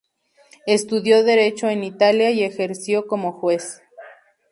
Estudió Derecho en Italia y ejerció como juez.